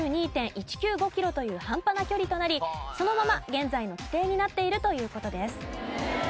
キロという半端な距離となりそのまま現在の規定になっているという事です。